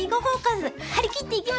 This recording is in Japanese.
張り切っていきましょう！